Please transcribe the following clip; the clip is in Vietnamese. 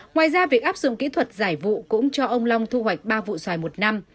ngoài ra việc áp dụng kỹ thuật giải vụ cũng cho ông long thu hoạch ba vụ xoài một năm